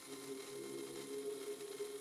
কুসুমের আর একবার পেটব্যথা হইয়া গিয়াছে।